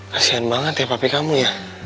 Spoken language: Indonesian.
kasian banget ya pap kamu ya